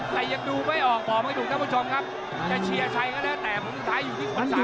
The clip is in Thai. บันโยคปลายกน่ะไอ้ท่านเตะ